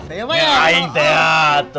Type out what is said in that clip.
ya kain teat tuh